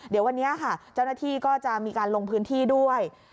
เดี๋ยววันนี้ค่ะเจ้าหน้าที่ก็จะมีการลงพื้นที่ด้วย